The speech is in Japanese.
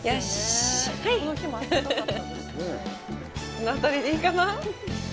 この辺りでいいかな？